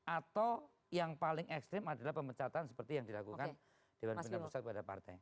atau yang paling ekstrim adalah pemecatan seperti yang dilakukan dewan pimpinan pusat pada partai